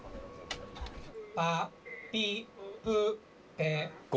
あ、い、う、え、お。